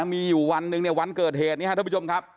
มีอยู่วันหนึ่งเนี่ยวันเกิดเหตุนี้ครับท่านผู้ชมครับ